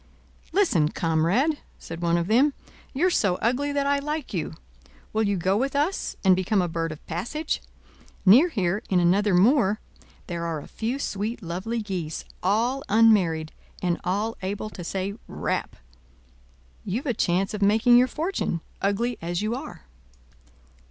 "Listen, comrade," said one of them. "You're so ugly that I like you. Will you go with us, and become a bird of passage? Near here, in another moor, there are a few sweet lovely geese, all unmarried, and all able to say 'Rap?' You've a chance of' making your fortune, ugly as you are."